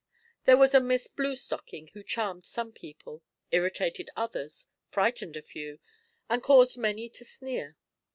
There was a Miss Bluestocking who charmed some people, irritated others, frightened a few, and caused many to sneer.